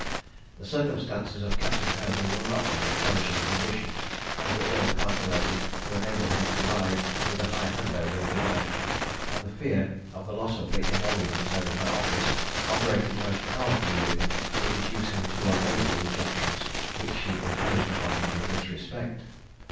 The circumstances of Captain Hervey were not in a flourishing condition, and were ill calculated to enable him to ride with a high hand over his wife; and the fear of the loss of the emoluments of her office operated most powerfully with him to induce him to obey the injunctions which she imposed upon him in this respect.